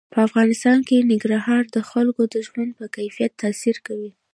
په افغانستان کې ننګرهار د خلکو د ژوند په کیفیت تاثیر کوي.